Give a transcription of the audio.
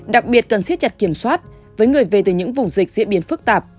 đặc biệt cần siết chặt kiểm soát với người về từ những vùng dịch diễn biến phức tạp